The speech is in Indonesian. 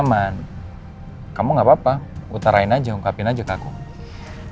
jadi sekarang kalau misalnya ada yang mengganjal di hati kamu ada yang bikin kamu ngajak